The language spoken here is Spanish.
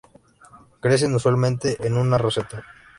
Crecen usualmente en una roseta.